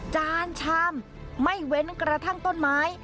จานชามไม่เว้นกระทั่งต้นไม้